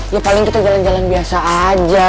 ya paling kita jalan jalan biasa aja